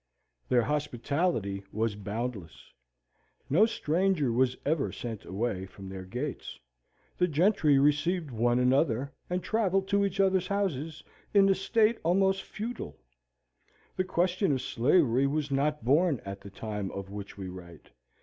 Their hospitality was boundless. No stranger was ever sent away from their gates. The gentry received one another, and travelled to each other's houses, in a state almost feudal. The question of Slavery was not born at the time of which we write.